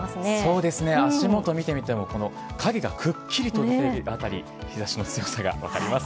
そうですね、足元見てみても、影がくっきりと出ているあたり、日ざしの強さが分かります。